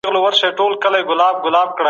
امریکایان وايي، غږونه پر تاوترېخوالي تمرکز کوي.